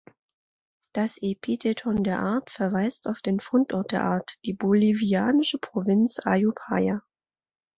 Das Epitheton der Art verweist auf den Fundort der Art, die bolivianische Provinz Ayopaya.